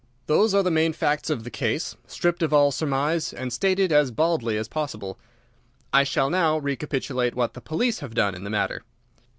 "Those are the main facts of the case, stripped of all surmise, and stated as baldly as possible. I shall now recapitulate what the police have done in the matter.